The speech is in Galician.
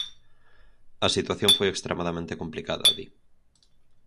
A situación foi extremadamente complicada, di.